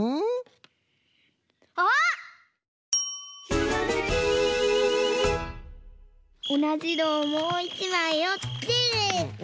「ひらめき」おなじのをもう１まいおって。